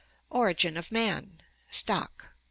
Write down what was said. Origin of Man Stock.